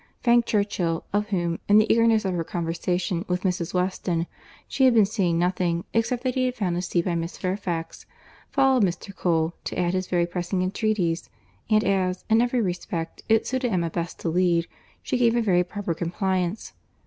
Frank Churchill, of whom, in the eagerness of her conversation with Mrs. Weston, she had been seeing nothing, except that he had found a seat by Miss Fairfax, followed Mr. Cole, to add his very pressing entreaties; and as, in every respect, it suited Emma best to lead, she gave a very proper compliance.